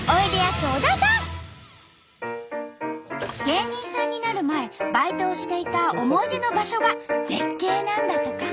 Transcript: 芸人さんになる前バイトをしていた思い出の場所が絶景なんだとか。